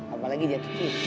apalagi jatuh tiga